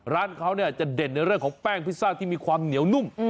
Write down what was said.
ร้านเขาจะเด่นในเรื่องของแป้งพิซซ่าที่มีความเหนียวนุ่ม